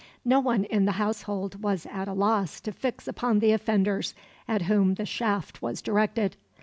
No one in the household was at a loss to fix upon the offenders at whom the shaft was directed.